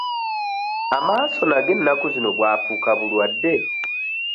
Amaaso nago ennaku zino bwafuuka bulwadde?